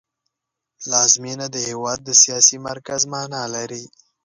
پلازمېنه د هېواد د سیاسي مرکز مانا لري